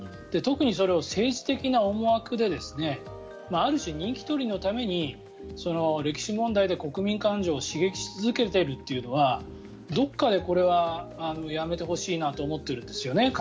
特にそれを政治的な思惑である種、人気取りのために歴史問題で国民感情を刺激し続けているのはどこかでこれはやめてほしいなと思っているんですよね。